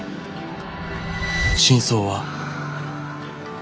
「真相は」。